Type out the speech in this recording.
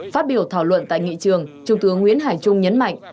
phát biểu thảo luận tại nghị trường trung tướng nguyễn hải trung nhấn mạnh